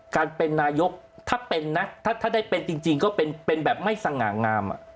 การเป็นนายกถ้าเป็นนะถ้าได้เป็นจริงก็เป็นแบบไม่สง่างาม